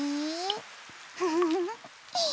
フフフ。